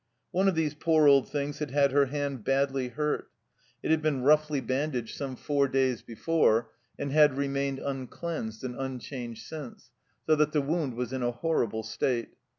One of these poor old things had had her hand badly hurt ; it had been roughly bandaged 94 THE CELLAR HOUSE OF PfiRVYSE some four days before, and had remained un cleansed and unchanged since, so that the wound was in a horrible state.